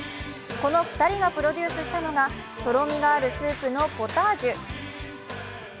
この２人がプロデュースしたのがとろみがあるスープのポタージュ。